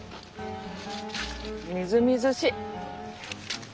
みずみずしい！